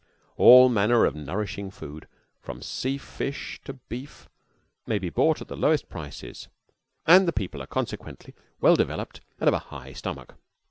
All manner of nourishing food, from sea fish to beef, may be bought at the lowest prices, and the people are consequently well developed and of a high stomach.